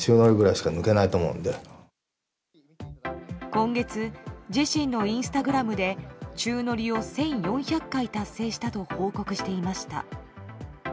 今月、自身のインスタグラムで宙乗りを１４００回達成したと報告していました。